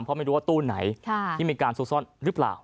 เพราะไม่รู้ว่าตู้ไหนที่มีการซุกซ่อนหรือเปล่า